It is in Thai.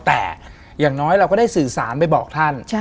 แต่อย่างน้อยเราก็ได้สื่อสารไปบอกท่าน